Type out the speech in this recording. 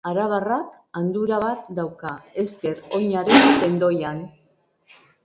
Arabarrak handura bat dauka ezker oinaren tendoian.